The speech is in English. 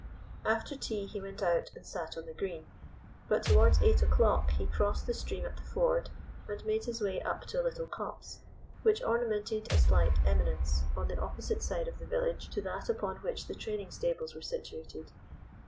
After tea he went out and sat on the green, but towards eight o'clock he crossed the stream at the ford, and made his way up to a little copse, which ornamented a slight eminence, on the opposite side of the village to that upon which the training stables were situated.